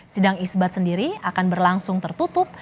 sidang isbat sendiri akan berlangsung tertutup